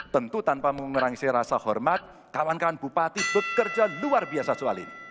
tentu tanpa memerangi rasa hormat kawan kawan bupati bekerja luar biasa soal ini